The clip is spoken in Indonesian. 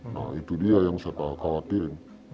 nah itu dia yang saya khawatirin